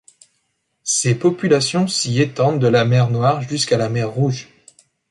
Ses populations s'y étendent de la mer Noire jusqu'à la mer Rouge.